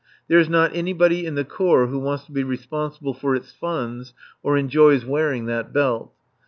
There is not anybody in the Corps who wants to be responsible for its funds or enjoys wearing that belt.